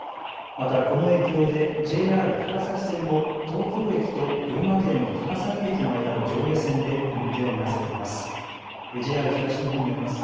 また、この影響でＪＲ高崎線も東京駅と群馬県の高崎駅の間の上下線で運転を見合わせています。